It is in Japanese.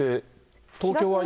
東京は夜？